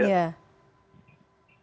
oleh itu bagi pak syafiq marah